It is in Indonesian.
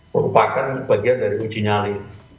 merupakan bagian dari uji nyali